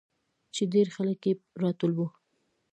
چې ډېرخلک پې راټول وو.